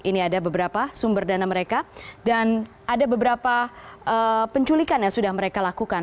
ini ada beberapa sumber dana mereka dan ada beberapa penculikan yang sudah mereka lakukan